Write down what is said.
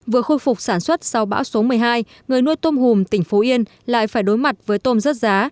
vừa khôi phục sản xuất sau bão số một mươi hai người nuôi tôm hùm tỉnh phú yên lại phải đối mặt với tôm rớt giá